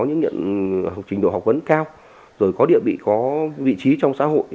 những trình độ học vấn cao rồi có địa vị có vị trí trong xã hội